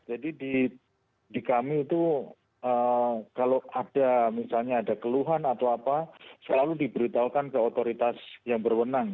jadi di kami itu kalau ada misalnya ada keluhan atau apa selalu diberitakan ke otoritas yang berwenang